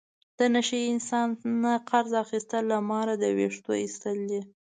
د نشه یي انسان نه قرض اخستل له ماره د وېښتو ایستل دي.